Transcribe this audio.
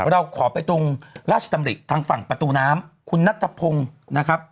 เราขอไปตรงราชดำริทางฝั่งประตูน้ำคุณนัทพงศ์นะครับ